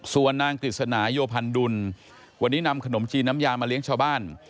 ส่วนนางกฤษณาโยพันดุลวันนี้นำขนมจีนน้ำยามาเลี้ยงชาวบ้าน